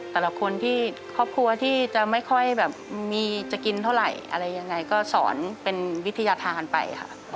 แต่ละคนที่ครอบครัวที่จะไม่ค่อยแบบมีจะกินเท่าไหร่อะไรยังไงก็สอนเป็นวิทยาธารไปค่ะ